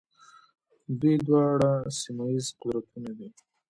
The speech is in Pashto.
دوی دواړه سیمه ییز قدرتونه دي.